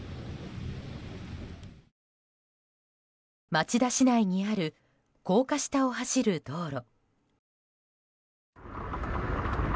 町田市内にある高架下を走る道路。